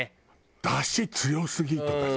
だし強すぎ！とかさ。